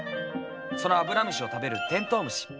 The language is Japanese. そのアブラムシを食べるテントウムシ。